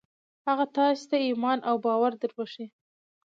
هغه تاسې ته ايمان او باور دربښي.